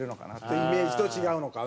イメージと違うのかな。